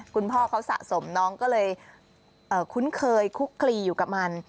คุณพ่อเขาสะสมน้องก็เลยคุ้นเคยคุกคลีอยู่กับมัน